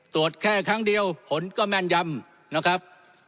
ตรวจแค่ครั้งเดียวผลก็แม่นยำนะครับ